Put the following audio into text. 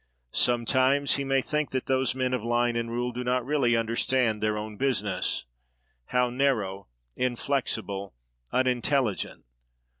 Sometimes, he may think that those men of line and rule do not really understand their own business. How narrow, inflexible, unintelligent!